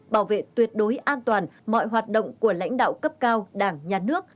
bảo vệ tuyệt đối an toàn mọi hoạt động của lãnh đạo cấp cao đảng nhà nước